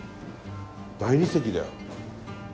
大理石だよ。